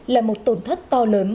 là một tổn thất to lớn